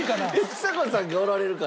ちさ子さんがおられるから。